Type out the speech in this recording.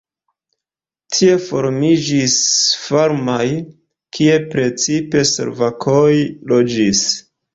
Tie formiĝis farmoj, kie precipe slovakoj loĝis.